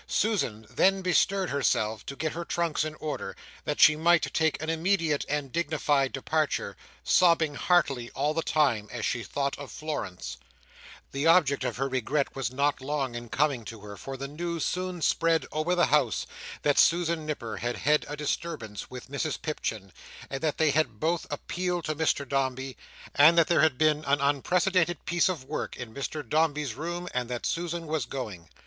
Susan then bestirred herself to get her trunks in order, that she might take an immediate and dignified departure; sobbing heartily all the time, as she thought of Florence. The object of her regret was not long in coming to her, for the news soon spread over the house that Susan Nipper had had a disturbance with Mrs Pipchin, and that they had both appealed to Mr Dombey, and that there had been an unprecedented piece of work in Mr Dombey's room, and that Susan was going.